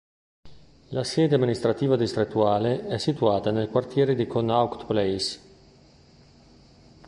La sede amministrativa distrettuale è situata nel quartiere di Connaught Place.